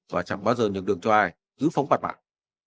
và chẳng bao giờ nhường đường cho ai cứ phóng vặt mạng